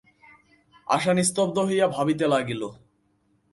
আশা নিস্তব্ধ হইয়া ভাবিতে লাগিল।